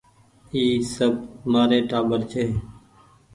اي سب مآري ٽآٻر ڇي۔